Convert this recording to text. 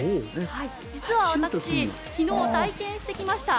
実は、私昨日、体験してきました。